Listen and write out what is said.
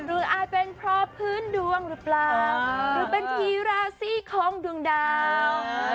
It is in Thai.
อาจเป็นเพราะพื้นดวงหรือเปล่าหรือเป็นทีราศีของดวงดาว